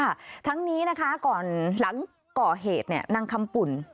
ค่ะทั้งนี้นะคะก่อนหลังก่อเหตุเนี่ยนางคำปุ่น